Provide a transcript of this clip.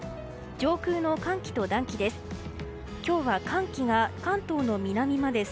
上空の寒気と暖気です。